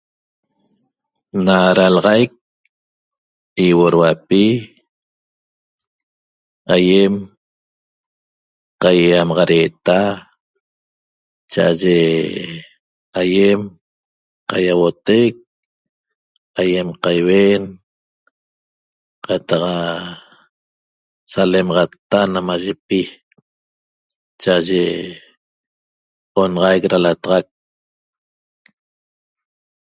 Na dalaxaic ýiuoduapi aýem qaýaýamaxadeeta cha'aye aýem qaiuotec aýem qaiuen qataq salemaxatta namayipi cha'aye onaxaic da lataxac